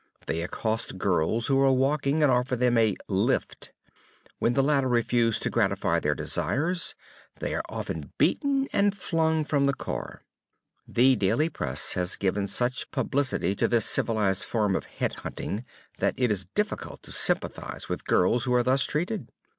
They accost girls who are walking and offer them a "lift." When the latter refuse to gratify their desires they are often beaten and flung from the car. The daily press has given such publicity to this civilized form of "head hunting," that it is difficult to sympathize with girls who are thus treated.